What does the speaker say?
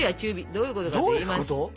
どういうことかといいますと。